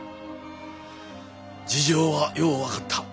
事情はよう分かった。